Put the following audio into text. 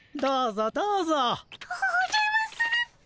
おじゃまするっピ。